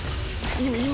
今！？